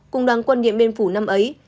cùng đoàn quân điện biên phủ năm ấy